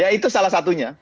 ya itu salah satunya